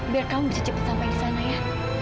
biar kamu bisa cepat sampai ke sana ya